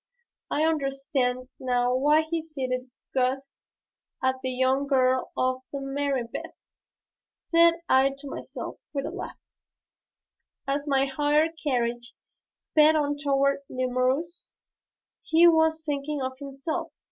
"I understand now why he cited Goethe and the young girl of Marienbad," said I to myself with a laugh, as my hired carriage sped on toward Nemours. "He was thinking of himself.